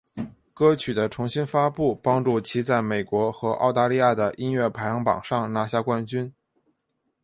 歌曲的重新发布帮助其在美国和澳大利亚的音乐排行榜上拿下冠军。